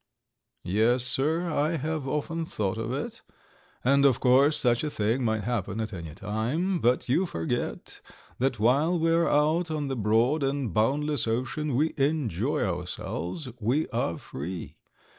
"Yes, sir. I have often thought of it, and of course such a thing might happen at any time; but you forget that while we are out on the broad and boundless ocean we enjoy ourselves. We are free.